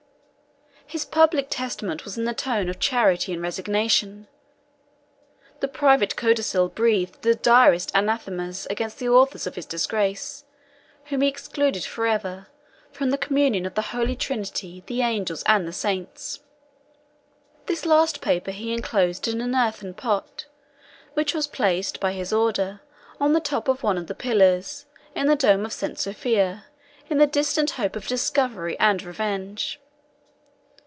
His public testament was in the tone of charity and resignation; the private codicil breathed the direst anathemas against the authors of his disgrace, whom he excluded forever from the communion of the holy trinity, the angels, and the saints. This last paper he enclosed in an earthen pot, which was placed, by his order, on the top of one of the pillars, in the dome of St. Sophia, in the distant hope of discovery and revenge.